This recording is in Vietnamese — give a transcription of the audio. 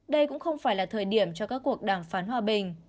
đây cũng không phải là thời điểm cho các cuộc đàm phán hòa bình